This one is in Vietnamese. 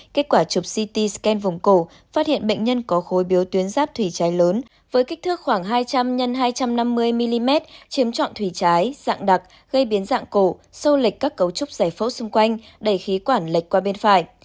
kết quả chụp ct scan vùng cổ phát hiện bệnh nhân có khối biếu tuyến giáp thủy trái lớn với kích thước khoảng hai trăm linh x hai trăm năm mươi mm chiếm trọn thủy trái dạng đặc gây biến dạng cổ sô lệch các cấu trúc giải phố xung quanh đẩy khí quản lệch qua bên phải